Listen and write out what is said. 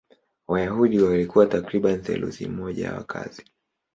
Wayahudi walikuwa takriban theluthi moja ya wakazi.